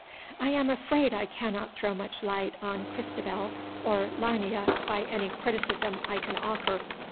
I am afraid I cannot throw much light on "Christabel" or "Lamia" by any criticism I can offer.